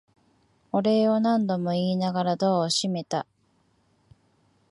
お礼を何度も言いながらドアを閉めた。